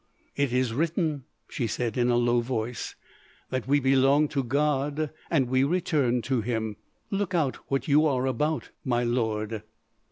"It is written," she said in a low voice, "that we belong to God and we return to him. Look out what you are about, my lord!"